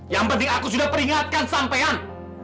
yang penting aku sudah peringatkan sampean